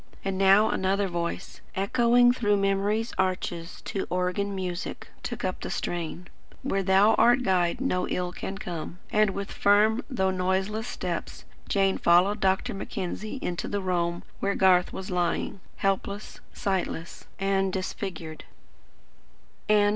And now another voice, echoing through memory's arches to organ music, took up the strain: "Where Thou art Guide, no ill can come." And with firm though noiseless step, Jane followed Dr. Mackenzie into the roam where Garth was lying, helpless, sightless, and disfigured.